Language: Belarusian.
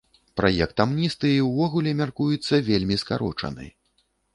Праект амністыі ўвогуле мяркуецца вельмі скарочаны.